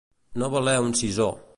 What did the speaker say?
No valer un sisó.